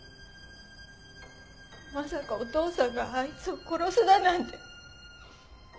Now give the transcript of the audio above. まさかお父さんがあいつを殺すだなんて。